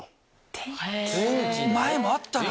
前もあったな